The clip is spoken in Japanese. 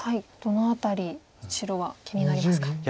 どの辺り白は気になりますか。